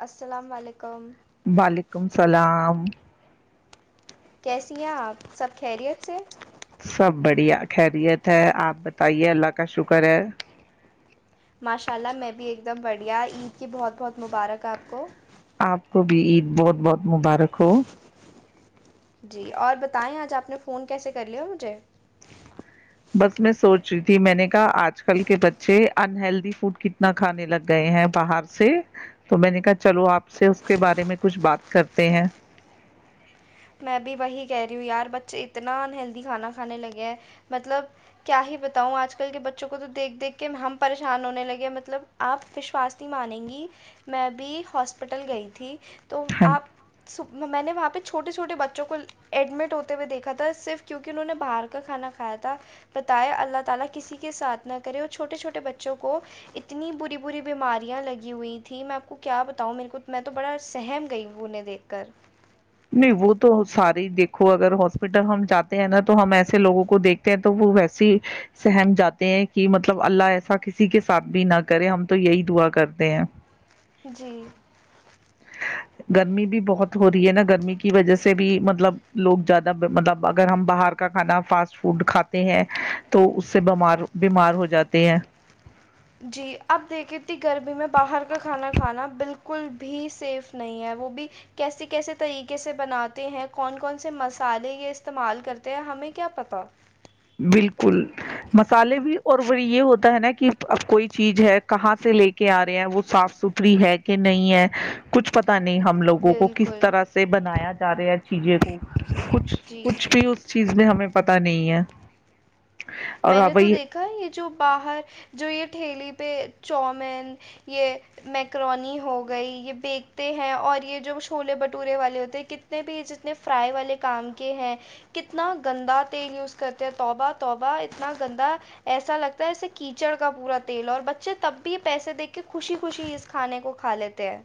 السلام علیکم وعلیکم السلام ہاں کیسی ہیں آپ سب خیریت سے سب بڑھیا خیریت ہے آپ بتائیے اللہ کا شکر ہے ماشاء اللہ میں بھی ایک ایک دم بڑھیا عید کی بہت بہت مبارک ہے آپ کو آپ کو بھی عید بہت بہت مبارک ہو جی اور بتائیں آج آپ نے فون کیسے کر لیا مجھے بس میں سوچ رہی تھی میں نے کہا آج کل کے بچے انہلدی فوڈ کتنا کھانے لگ گئے ہیں باہر سے تو میں نے کہا چلو آپ سے اس کے بارے میں کچھ بات کرتے ہیں میں بھی وہی کہہ رہی ہوں یار بچے اتنا انہلدی کھانا کھانے لگے ہیں مطلب کیا ہی بتاؤں آج کل کے بچوں کو تو دیکھ دیکھ کے ہم پریشان ہونے لگے مطلب آپ وشواس نہیں مانیں گی میں بھی ہاسپٹل گئی تھی تو ہاں آپ سپنا میں نے وہاں پہ چوٹےھو چھوٹے بچوں کو ایڈمٹ ہوتے ہوئے دیکھا تھا صرف کیونکہ انہوں نے باہر کا کھانا کھایا تھا بتایا اللہ تعالی کسی کے ساتھ نہ کرے اور چھوٹے چھوٹے بچوں کو اتنی بری بری بیماریاں لگی ہو تھیں میں آپ کو کیا بتاوں میرے کو میں تو بڑا سہم گئی ہوں انہیں دیکھ کر نہیں وہ تو سارے دیکھو اگر ہاسپٹل ہم جاتے ہیں نا تو ہم ایسے لوگوں کو دیکھتے ہیں تو وہ ویسیے سہم جاتے ہیں کہ مطلب اللہ ایسا کسی کے ساتھ بھی نہ کرے ہم تو یہی دعا کرتے ہیں جی گرمی بھی بہت ہو رہی ہے نا گرمی کی وجہ سے بھی مطلب لوگ زیادہ مطلب اگر ہم باہر کا کھانا فاسٹ فوڈ کھاتے ہیں تو اس سے بیمار بیمار ہو جاتے ہیں جی اب دیکھے تھی گرمی میں باہر کا کھانا کھانا بالکل بھی سیف نہیں ہے وہ بھی کیسے کیسے طریقے سے بناتے ہیں کون کون سے مسالے یہ استعمال کرتے ہیں ہمیں کیا پتاہ بالکل مسالے بھی اور ب یہ ہوتا ہے نا کہ اب کوئی چیز ہے کہاں سے لے کے آ رہے ہیں وہ صاف ستھری ہے کہ نہیں ہے کچھ پتا نہیں نے ہم لوگوں کو کس بالکل طرح سے بنایا ج جا رہے ہے چیزیں کو کچھ جی کچھ بھی اس چیز میں ہم پتا نہیں ہے اور میں نے تو وہی دیکھا یہ جو باہر جو یہ ٹھیلی پہ چاومین یہ میکرونی ہو گئی یہ بییکتے ہیں اور یہ جو چھولے بھٹورے والے ہوتے ہیں کتنے بھی جتنے فرائی والے کام کے ہیں کتنا گندا تیل یوز کرتے ہیں توبہ توبہ اتنا گندا ایسا لگتا ہے جسے کیچڑ کا پورا تیل اور بچے تب بھی پیسے دے کے خوشی خوشی اس کھانے کو کھا لیتے ہیں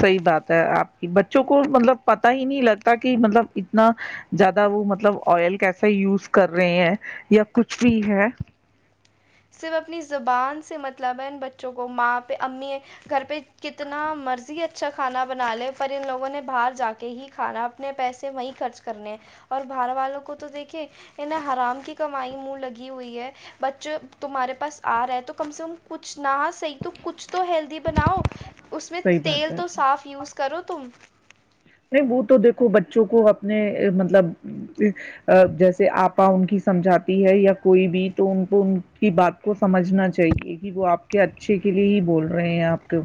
صحیح بات ہے آپ کی بچوں کو مطلب پتا ہی نہیں لگتا کہ مطلب اتنا زیادہ وہ مطلب آئل کیسا یوز کر رہے ہیں یا کچھ بھی ہے صرف اپنی زبان سے مطلب ہے ان بچوں کو ماں پہ امی گھر پہ کتنا مرضی اچھا کھانا بنا لے پر ان لوگوں نے باہر جا کے ہی کھانا اپنے پیسے وہیں خرچ کرنے اور باہر والوں کو تو دیکھے انیں حرام کی کمائی منہ لگی ہوئی ہے بچے تمہارے پاس آ رہا ہے تو کم سے کم کچھ نہ صحیح تو کچھ تو ہیلدی بناؤ اس میں صحیح بات تیل ہے تو صاف یوز کر کرر توم نہیں وہ تو دیکھو بچوں کو اپنے مطلب جیسے آپا ان کی سمجھاتی ہے یا کوئی بھی تو ان کو ان کی بات کو سمجھنا چاہیے کہ وہ آپ کے اچھے کے لیے ہی بول رہے ہیں آپ کو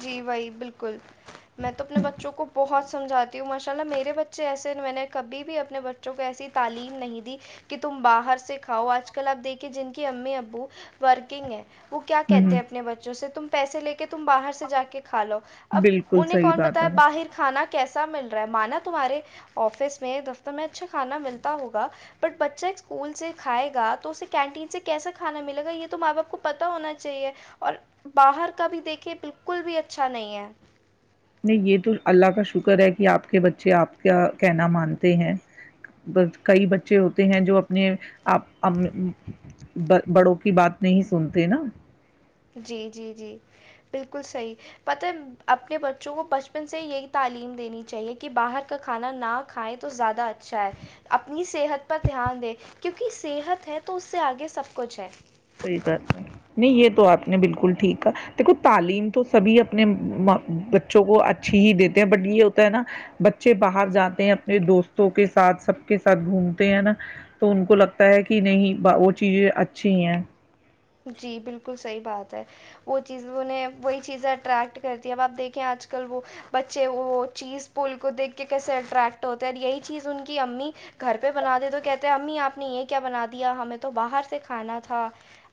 جی بھائی بالکل میں تو اپنے بچوں کو بہت سے سمجھاتی ہوں ماشاء اللہ میرے بچے ایسے میں نے کبھی بھی اپنے بچوں کو ایسی تعلیم نہیں دی کہ تم باہر سے کھاؤ آج کل آپ دیکھیے جن کی امی ابو ورکنگ ہیں وہ کیا کہتے ہ ہیں اپنے بچوں سے تم پیسے لے کے تم باہر سے سے جا کے کھا لو اب بالکل انہیں صحیح کون بات ہے بتایا باہر کھانا کیسا مل رہا ہے مانا تمہارے آفس میں دفتر میں اچھا کھانا ملتا ہوگا بٹ بچہ ایک اسکول سے کھائے گا تو اسے کینٹین سے کیسا کھانا ملے گا یہ تو ماں باپ کو پتا ہونا چاہیے اور باہر کا بھی دیکھے بالل بالکل بھی اچھا نہیں ہے نہیں یہ تو اللہ کا شکر ہے کہ آپ کے بچے آپ کیا کہنا مانتے ہیں کئی بچے ہوتے ہیں جو اپنے آ بڑوں کی بات نہیں سنتے نا جی جی جی بالکل صحیح پتہ ہے اپنے بچوں کو بچپن سے یہی تعلیم دینی چاہیے کہ باہر کا کھانا نہ کھائیں تو زیادہ اچھا اچھا ہے اپنی صحت پر دھیان دے کیونکہ صحت ہے تو اس سے آگے سب کچھ ہے صحی بات نہیں نہیں یہ تو آپ نے بالکل ٹھیک کہ دیکھو تعلیم تو سبھی اپنے بچوں کو اچھی ہی دیتے ہیں بٹ یہ ہوتا ہے نا بچے باہر جاتے ہیں اپنے دوستوں کے ساتھ سب کے ساتھ گھومتے ہیں نا تو ان کو لگتا ہے کہ نہیں وہ چیزیں اچھی ہیں جی بالکل صحیح بات ہے وہ چیز انہیں وہی چیزیں اٹریکٹ کرتی ہے اب آپ دیکھیں آج کل وہ بچے وہ چیز پول کو دیکھ کے کیسے اٹریکٹ ہوتے ہیں اور یہی چیز ان کی امی گھر پہ بنا د تو کہتے ہیں امی آپ نے یہ کیا بنا دیا ہمیں تو باہر سے کھانا تھا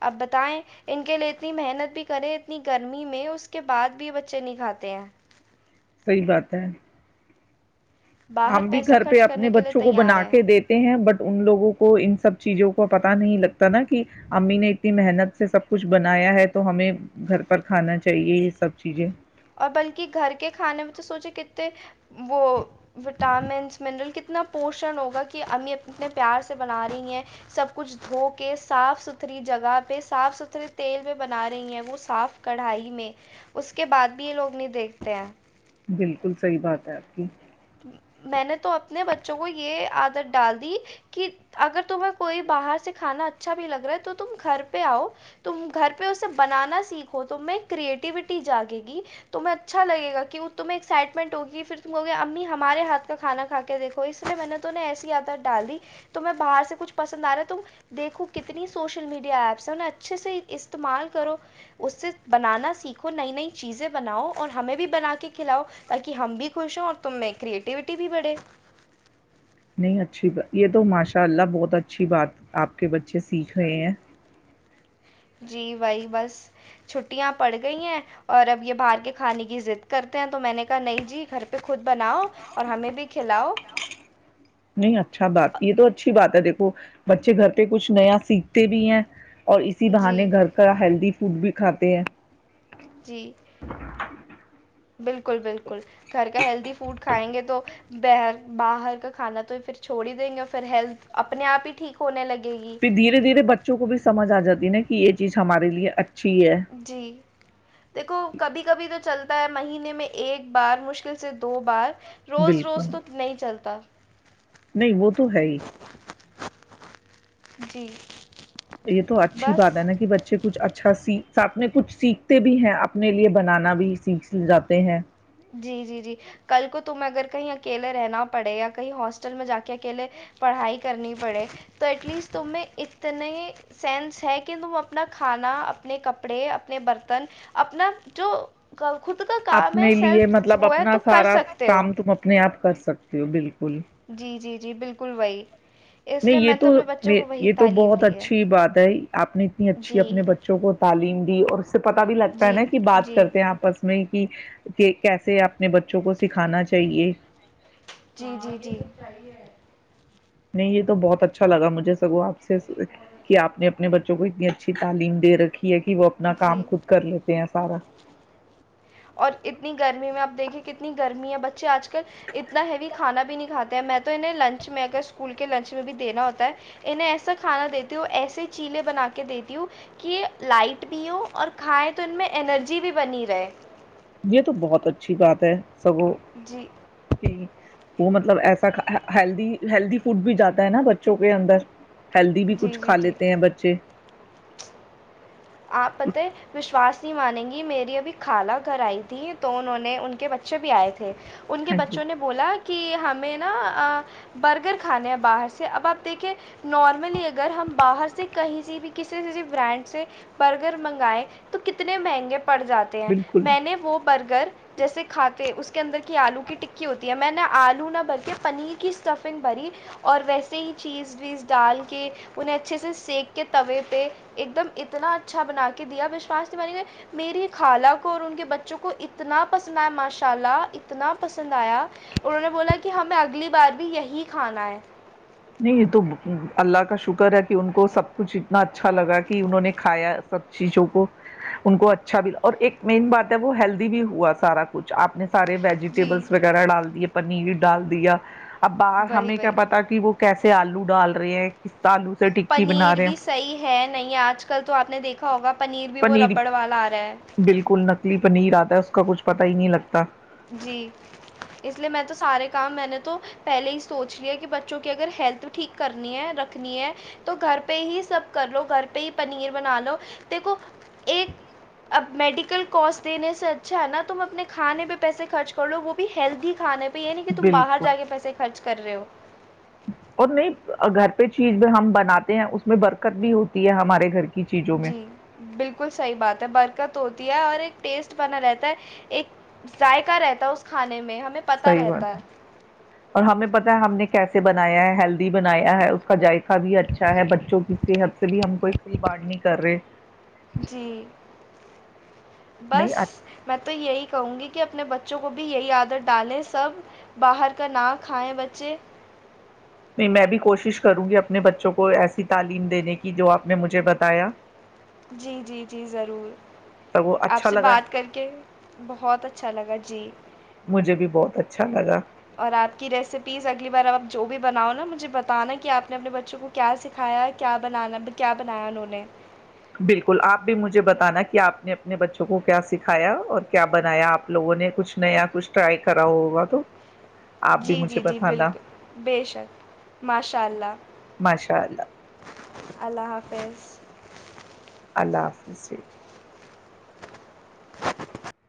اب بتائیں ان کے لیے اتنی محنت بھی کریں اتنی گرمی میں اس کے بعد بھی بچے نہیں کھاتے ہیں صحی بات ہے باہر ہم بھی پیسہ گھر پہ خرچ اپنے کرنے کے لیے بچوں کو تیار بنا ہیں کے دیتے ہیں بٹ ان لوگوں کو ان سب چیزوں کو پتا نہیں لگتا نا کہ امی نے اتنی محنت سے سب کچھ بنایا ہے تو ہمیں گھر پر کھانا چاہیے یہ سب چیزیں اور بلکہ گھر کے کھانے میں تو سوچے کتتے وہ وٹامنس منرل کتنا پوشن ہوگا کہ امی اپنے پیار سے بنا رہی ہیں سب کچھ دھو کے صاف ستھری جگہ پہ صاف ستھھرے تیل پہ بنا رہی ہیں وہ صاف کڑھائی میں اس کے بعد بھی لوگ نہیں دیکھتے ہیں بالکل صحی بات ہے آپ کی میں نے تو اپنے بچوں کو یہ عادت ڈال دی کہ اگر تمہیں کوئی باہر سے کھانا اچھا بھی لگ رہا ہے تو تم گھر پہ آؤ تم گھر پہ اسے بنانا سیکھو تم کریٹیوٹی جاگے گی تمہیں اچھا لگےا کہ تمہیں ایکسائٹمنٹ ہوگی پھر تے امی ہمارے ہاتھ کا کھانا کھا کے دیکھو اس لیے میں نے تو انہیں ایسی عادت ڈال دی تو میں باہر سے کچھ پسند آ رہا ہے تم دیکھو کتنی سوشل میڈیا ایپس ہیں ا انہیں اچھے سے استعمال کرو اس سے بنانا سیکھو نئی نئی چیزیں بناؤ اور ہمیں بھی بنا کے کھلاؤ تاکہ ہم بھی خوش ہوں اور تم میں کریٹوٹی بھی بڑے نہیں اچھی ب یہ تو ماشاء اللہ بہت اچھی بات آپ کے بچے سیکھ رہے ہیں جی بھائی بس چھٹیاں پڑ گئی ہیں اور اب یہ باہر کے کھانے کی ضد کرتے ہیں تو میں نے کہا نہیں جی گھر پہ خود بناؤ اور ہمیں بھی کھلاؤ نہیں اچھا بات یہ تو اچھی بات ہے دیکھو بچے گھر پہ کچھ نیا سیکھتے بھی ہیں اور اسی جی بہانے گھر کا ہیلدی فوڈ بھی کھاتے ہیں جی بالکل بالکل بالکل گھر کا ہیلدی فوڈ کھائیں گے تو بر باہر کا کھانا تو یہ پھر چھوڑ ہی دیں گے پھر ہیلتھ اپنے آپ ہی ٹھیک ہونے لگے گی پھر دھیرے دھیرے بچوں کو بھی سمجھ آ جاتی ن یہ چیز ہمارے لیے اچھا جی دیکھو کبھی کبھی تو چلتا ہے مہینے میں ایک بار مشکل سے دو بار روز روز بالکل تو نہیں چلتا نہیں وہ تو ہے ہی جی یہ تو اچھی بات بس ہے نا کہ بچے کچھ اچھا س ساتھ میں کچھ سیکھتے بھی ہیں اپنے لیے بنانا بھی سیکھ جاتے ہیں جی جی جی کل کو تم اگر کہیں اکیلے رہنا پڑے یا کہیں ہاسٹل میں جا کے اکیلے پڑھائی کرنی پڑے تو ایٹ لیسٹ تمیں اتنے سینس ہے کہ تم اپنا کھانا اپنے کپڑے اپنے برتن اپنا جو کٹ کا کام ہے لی سیلف مطلب وہ ہے اپنا تو کر سارا سکتے ہو کام تم اپنے آپ کر سکتے تو ب جی جی ج جی بالکل وہھی نہیں یہ تو یہ تو تعلیم بہت دی ہے اچھی بات ہے آپ نے اتنی اچھی جی اپنے بچوں کو تعلیم دی اور اس سے پتا بھی لگتا ہے جی نا کہ بات جی کرتے ہیں آپس میں کہ کیسے اپنے بچوں کو سکھانا چاہیے جی جی جی نہیں یہ تو بہت اچھا اچھا لگا مجھے سگو آپ سے کہ آپ نے اپنے بچوں کو اتنی اچھی تعلیم د رکھی کہ وہ اپنا جی کام جی خود کر لیتے ہیں سارا اور اتنی گرمی میں آپ دیکھیں کتنی گرمی ہے بچے آج کل اتنا ہیوی کھانا بھی نہیں کھاتے ہیں میں تو انہیں لنچ میں اگر اسکول کے لنچ میں بھی دینا ہوتا ہے انہیں ایسا کھانا دیتی ہوں ایسے چیلیں بنا کے دیتی ہوں کہ یہ لائٹ بھی ہو اور کھائیں تو ان میں انرجی بھی بنی رہے یہ تو بہت اچھی بات ہے سوں جی کی وہ مطلب ایسا ہیلدی ہیلدی فڈ بھی جاتا ہے نا بچوں کے اندر ہیلدی بھی جی کچھ جی کھا جی لیتے ہیں بچے اپ پتہ ہے وشواس مانیں گی میری ابھی خالہ گھر آئی تھی تو انہوں نے ان کے بچے بھی آئے تھے تھ ان کے ہاں جی بچوں نے بولا کہ کہ ہمیں نا برگر کھانے ہیں باہر سے اب آپ دیکھے نارملی اگر ہم باہر سے کہیں سے بھی کسی جسی برانڈ سے برگر منگائے تو کتنے مہنگے پڑ جاتے ہیں بالکل میں نے وہ برگر جیسے کھاتے اس کے اندر کی آلو کی ٹکی ہوتی ہے میں نے آلو نہ بھر کے پنیر کی اسٹفنگ بھری اور ویسے ہی چیز ویز ڈال کے انہیں اچھے سے سینیک کے توے پہ ایک دم اتنا اچھا بنا کے دیا وشواس نہیں ب میری خالہ کو اور ان کے بچوں کو اتنا پسند آیا ماشاء اللہ اتنا پسند آیا اور انہوں نے بولا کہ ہمیں اگلی بار بھی یہی کھانا ہے نہیں یہ تو اللہ کا شکر ہے کہ ان کو سب کچھ اتنا اچھا لگا کہ انہوں نے کھایا سب چیزوں کو ان کو اچھا بھی اور ایک مین بات ہے وہ ہیلدی بھی ہوا سارا کچھ آپ نے سے جی ویجیٹٹیبلس وغیرہ ڈال دی ہے پنیر ڈال دیا اب باہر وہی ہمیں کیا وہی پتا کہ وہ کیسے آلو ڈال رہے ہیں آلو سے ٹکی بنا پنیر رہے بھی ہیں صحیح ہے نہیں آج کل تو آپ نے دیکھا ہوگا بھی وہ پنیر ربڑ والا آ رہا ہے بالکل نکلی پنیر آتا ہے اس کا کچھ پتا ہی نہیں لگتا جی اس لیے میں تو سارے کام میں نے تو پہلے ہی سوچ لیا کہ بچوں کی اگر ہیلتھ ٹھیک کرنی ہے رکھنی ہے تو گھر پہ ہی سب کر لو گھر پہ ہی پنیر بنا لو دیکھو ایک اب میڈیکل کوس دینے سے اچھا ہے نا تم اپنے کھانے پہ پیسے خرچ کر لو وہ بھی ہیلدی کھے پہ تو یہ نہیں کہ تم باہر بالکل جا کے پیسے خرچ کر رہے ہو اور نہیں گھر پہ چیز ہم بناتے ہیں اس میں برکت بھی ہوتی ہے ہمارے گھر کی چیزوں میں جی بالکل صحیح بات ہے برکت ہو ہے اور ایک ٹیسٹ بنا رہتا ہے ایک ذائقہ رہتا ہے اس کھانے میں ہم صحیح بات ہے اور ہمیں پتا ہے ہم نے کیسے ب بنایا ہے ہیلدی بنایا ہے اس کا ذقہ بھی اچھا ہے بچوں کی صحت سے بھی ہم کوئی کھیری باڑ نہیں کر رہے جی نہیں بس نہیں میں تو یہی کہوں گی کہ اپنے بچوں کو بھی یہی عادت ڈالیں سب باہر کا نہ کھائیں بچے نہیں میں بھی کوشش کروں گی اپنے بچوں کو ایسی تعلیم دینے کی جو آپ نے مجھے بتایا جی جی جی ضرور تو وہ آپ اچھا سے لگا بات کر کے بہت اچھا لگا جی چھا لگا اور آپ کی ریسیپیز اگلی بار ا آپ جو بھی بناؤ نا مجھے بتانا کہ آپ نے اپنے بچوں کو کیا سکھایا کیا بنانا کیا بنایا انہوں نے بالکل آپ بھی مجھے بتانا کہ آپ نے اپنے بچوں کو کیا سکھایا اور کیا بنایا آپ لوگوں نے کچھ نیا کچھ ٹرائی کرا ہوگا تو آپ بھی جی جی مجھے جی بتانا بالکل بے شک ماشاء اللہ ماشاء اللہ اللہ حافظ اللہ حافظ جی [inaudible]